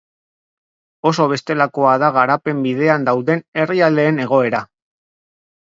Oso bestelakoa da garapen bidean dauden herrialdeen egoera.